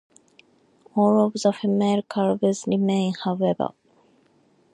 All of the female calves remain, however.